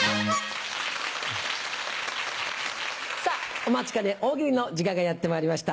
お待ちかね「大喜利」の時間がやってまいりました。